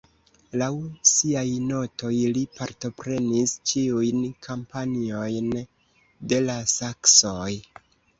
Laŭ siaj notoj li partoprenis ĉiujn kampanjojn de la saksoj.